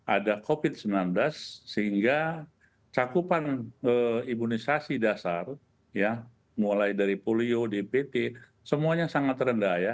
ada covid sembilan belas sehingga cakupan imunisasi dasar ya mulai dari polio dpt semuanya sangat rendah ya